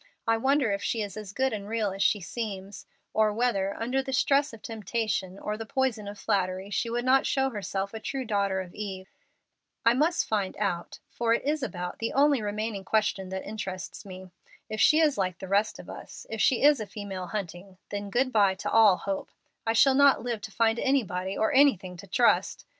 I wonder if she is as good and real as she seems, or whether, under the stress of temptation or the poison of flattery, she would not show herself a true daughter of Eve? I must find out, for it is about the only remaining question that interests me. If she is like the rest of us if she is a female Hunting then good by to all hope. I shall not live to find anybody or anything to trust.